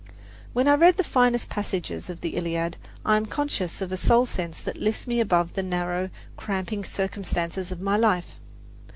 When I read the finest passages of the Iliad, I am conscious of a soul sense that lifts me above the narrow, cramping circumstances of my life.